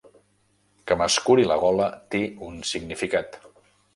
Que m'escuri la gola té un significat.